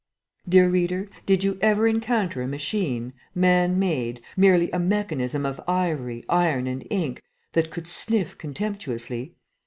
Dear reader, did you ever encounter a machine, man made, merely a mechanism of ivory, iron, and ink, that could sniff contemptuously?